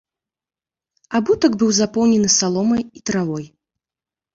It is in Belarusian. Абутак быў запоўнены саломай і травой.